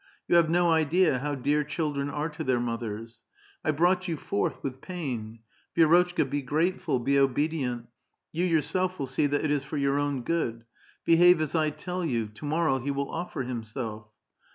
You have no idea how dear children are to their mothei s. I brought you forth with pain. Vi^rotchka, be grateful, be obedient ; you yourself will see that it is for your own good. Behave as 1 tell von. To morrow he will offer himself."